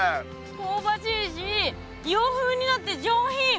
こうばしいし洋風になって上品。